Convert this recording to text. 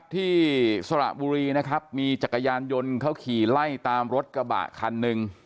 สระบุรีนะครับมีจักรยานยนต์เขาขี่ไล่ตามรถกระบะคันหนึ่ง